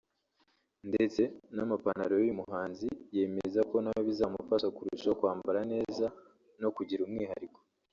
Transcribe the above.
ndetse n’amapantalo uyu muhanzi yemeza ko nawe bizamufasha kurushaho kwambara neza no kugira umwihariko